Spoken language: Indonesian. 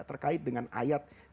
terkait dengan ayat